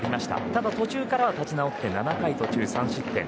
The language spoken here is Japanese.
ただ、途中からは立ち直って７回途中３失点。